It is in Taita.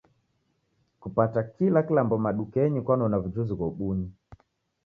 Kupata kila kilambo madukenyi kwanona w'ujuzi ghobuni